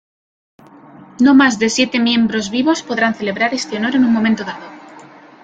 No más de siete miembros vivos podrán celebrar este honor en un momento dado.